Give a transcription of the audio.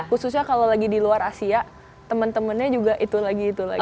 khususnya kalau lagi di luar asia temen temennya juga itu lagi itu lagi